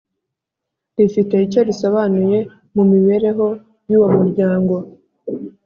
rifite icyo risobanuye mu mibereho y’uwo muryango